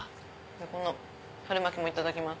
この春巻きもいただきます。